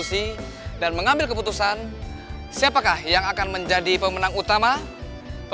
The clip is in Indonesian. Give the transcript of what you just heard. kita lagi terus nyelamat more